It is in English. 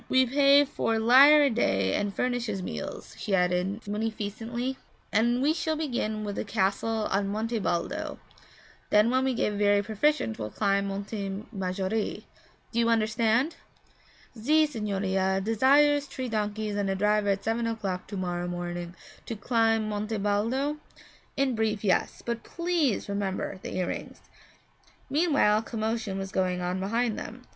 'We pay four lire a day and furnish his meals,' she added munificently. 'And we shall begin with the castle on Monte Baldo; then when we get very proficient we'll climb Monte Maggiore. Do you understand?' 'Ze signorina desires tree donkeys and a driver at seven o'clock to morrow morning to climb Monte Baldo?' 'In brief, yes, but please remember the earrings.' Meanwhile a commotion was going on behind them.